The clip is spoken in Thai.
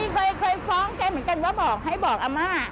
เคยฟ้องแกเหมือนกันว่าบอกให้บอกอาม่า